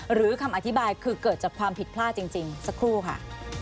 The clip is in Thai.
หรือคำอธิบายคือเกิดจากความผิดพลาดจริงสักครู่ค่ะ